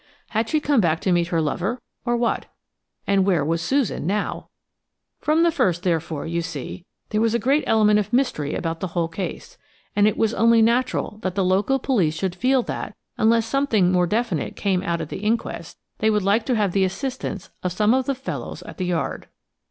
Had she come back to meet her lover, or what? And where was Susan now? From the first, therefore, you see, there was a great element of mystery about the whole case, and it was only natural that the local police should feel that, unless something more definite came out at the inquest, they would like to have the assistance of some of the fellows at the Yard.